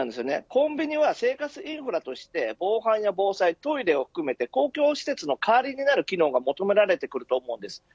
コンビでは生活インフラとして防犯や防災トイレも含めて公共施設の代わりになる機能が求められてくると思います。